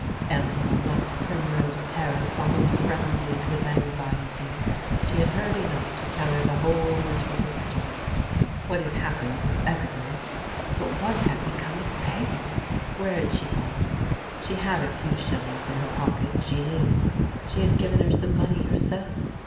Eleanor left Primrose Terrace almost frenzied with anxiety. She had heard enough to tell her the whole miserable story. What had happened was evident. But what had become of Peggy? Where had she gone? She had a few shillings in her pocket, she knew. She had given her some money herself.